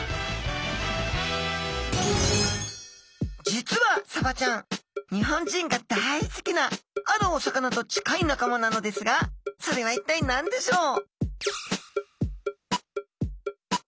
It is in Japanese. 実はサバちゃん日本人が大好きなあるお魚と近い仲間なのですがそれは一体何でしょう？